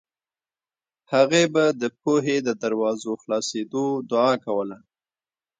هغې به د پوهې د دروازو خلاصېدو دعا کوله